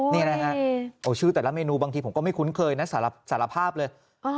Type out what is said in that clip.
นี่นะฮะชื่อแต่ละเมนูบางทีผมก็ไม่คุ้นเคยนะสารภาพเลย